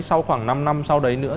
sau khoảng năm năm sau đấy nữa